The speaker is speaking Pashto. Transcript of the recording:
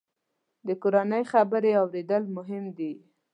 د کورنۍ خبرې اورېدل مهم دي.